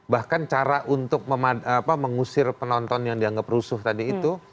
bahkan cara untuk mengusir penonton yang dianggap rusuh tadi itu